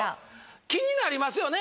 気になりますよね？